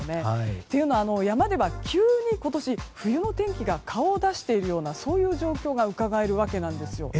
というのは、山では急に今年、冬の天気が顔を出しているような状況がうかがえるわけなんですよ。